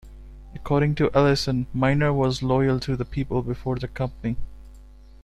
According to Ellison, Miner was "loyal to the people before the company.